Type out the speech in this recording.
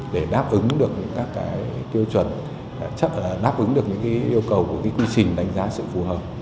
để đáp ứng được những các tiêu chuẩn đáp ứng được những yêu cầu của quy trình đánh giá sự phù hợp